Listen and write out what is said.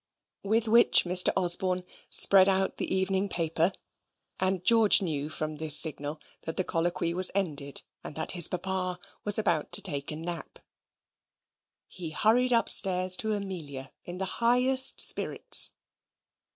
With which Mr. Osborne spread out the evening paper, and George knew from this signal that the colloquy was ended, and that his papa was about to take a nap. He hurried upstairs to Amelia in the highest spirits.